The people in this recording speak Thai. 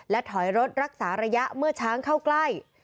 ถอยรถรักษาระยะเมื่อช้างเข้าใกล้